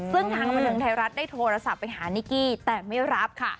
ซึ่งทางบันเทิงไทยรัฐได้โทรศัพท์ไปหานิกกี้แต่ไม่รับค่ะ